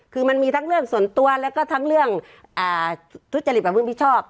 คือมันมีทั้งเรื่องส่วนตัวแล้วก็ทั้งเรื่องทุจริตประพฤติมิชชอบ